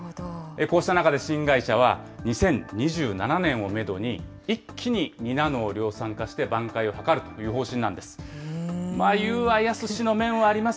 こうした中で新会社は、２０２７年をメドに、一気に２ナノを量産化して挽回を図るという方針なんです。